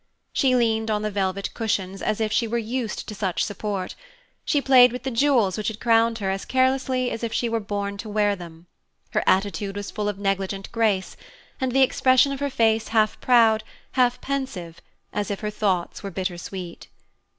She leaned on the velvet cushions as if she were used to such support; she played with the jewels which had crowned her as carelessly as if she were born to wear them; her attitude was full of negligent grace, and the expression of her face half proud, half pensive, as if her thoughts were bittersweet.